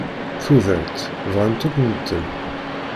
Tudert, bɣan-tt akk medden.